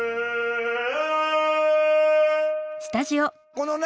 このね